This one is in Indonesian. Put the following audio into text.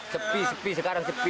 sepi sepi sekarang sepi